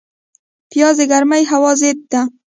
پیاز د ګرمې هوا ضد دی